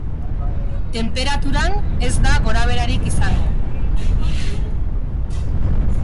Tenperaturan ez da gorabeherarik izango.